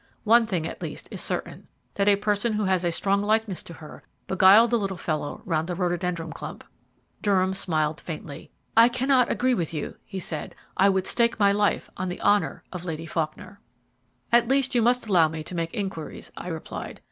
One thing, at least, is certain, that a person who had a strong likeness to her beguiled the little fellow round the rhododendron clump." Durham smiled faintly. "I cannot agree with you," he said. "I would stake my life on the honour of Lady Faulkner." "At least you must allow me to make inquiries," I replied.